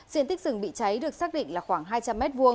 diện tích rừng bị cháy được xác định là khoảng hai trăm linh m hai